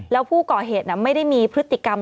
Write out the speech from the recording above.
แล้วผู้ก่อเหตุไม่ได้มีพฤติกรรม